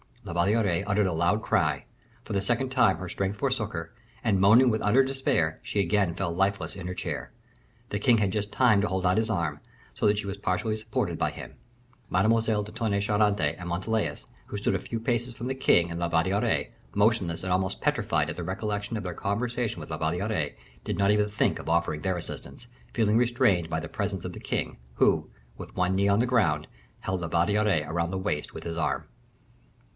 La Valliere uttered a loud cry; for the second time her strength forsook her; and moaning in utter despair, she again fell lifeless in her chair. The king had just time to hold out his arm; so that she was partially supported by him. Mademoiselle de Tonnay Charente and Montalais, who stood a few paces from the king and La Valliere, motionless and almost petrified at the recollection of their conversation with La Valliere, did not even think of offering their assistance, feeling restrained by the presence of the king, who, with one knee on the ground, held La Valliere round the waist with his arm.